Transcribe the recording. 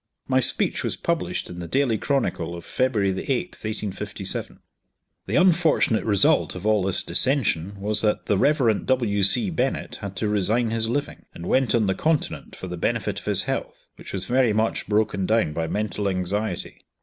My speech was published in the Daily Chronicle of February 8th, 1857. The unfortunate result of all this dissension was that the Rev. W. C. Bennett had to resign his living, and went on the continent for the benefit of his health, which was very much broken down by mental anxiety.